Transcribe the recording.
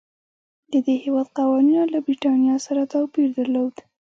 د دې هېواد قوانینو له برېټانیا سره توپیر درلود.